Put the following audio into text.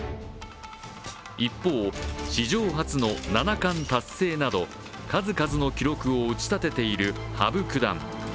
一方、史上初の７冠達成など数々の記録を打ち立てている羽生九段。